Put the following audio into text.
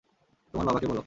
তোমার বাবাকে বলো!